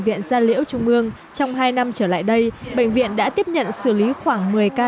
viện gia liễu trung mương trong hai năm trở lại đây bệnh viện đã tiếp nhận xử lý khoảng một mươi ca